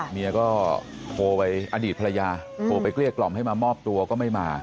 เมียก็โทรไปอดีตภรรยาโทรไปเกลี้ยกล่อมให้มามอบตัวก็ไม่มา